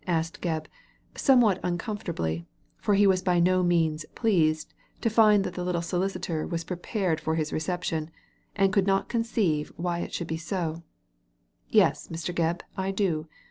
asked Gebb, some what uncomfortablyi for he was by no means pleased to find that the little solicitor was prepared for his reception, and could not conceive why it should be sa "Yes, Mr. Gebb, I do.